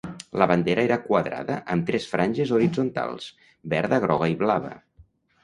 La bandera era quadrada amb tres franges horitzontals: verda, groga i blava.